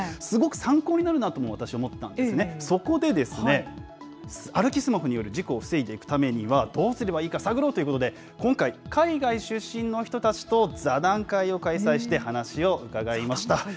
すごく参考になるなとも、私思ってたんですね、そこでですね、歩きスマホによる事故を防いでいくためにはどうすればいいか、探ろうということで、今回、海外出身の人たちと座談会を開催して、話を伺いました。